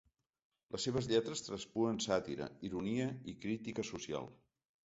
Les seves lletres traspuen sàtira, ironia i crítica social.